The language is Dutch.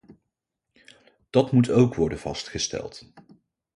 Dat moet ook worden vastgesteld.